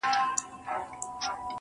دېوالونه په پردو کي را ايسار دي_